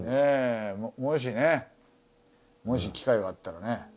もしねもし機会があったらね。